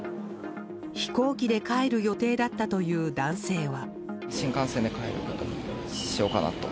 飛行機で帰る予定だったという男性は。